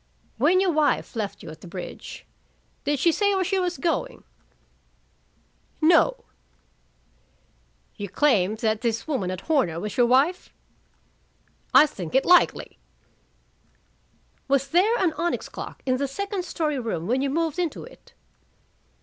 "When your wife left you at the bridge, did she say where she was going?" "No." "You claim that this woman at Horner was your wife?" "I think it likely." "Was there an onyx clock in the second story room when you moved into it?"